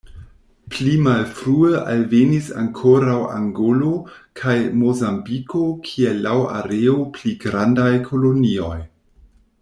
Pli malfrue alvenis ankoraŭ Angolo kaj Mozambiko kiel laŭ areo pli grandaj kolonioj.